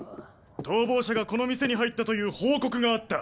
逃亡者がこの店に入ったという報告があった。